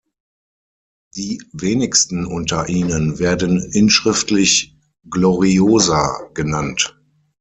Die wenigsten unter ihnen werden inschriftlich "Gloriosa" genannt.